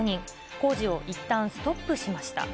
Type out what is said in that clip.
工事をいったんストップしました。